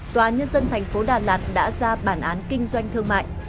tòa nhân dân thành phố đà lạt đã ra bản án kinh doanh thương mại